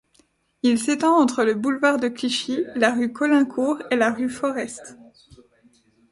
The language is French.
Il s'étend entre le boulevard de Clichy, la rue Caulaincourt et la rue Forest.